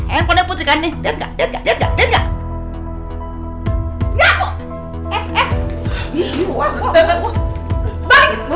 handphonenya putri kan nih liat gak liat gak liat gak liat gak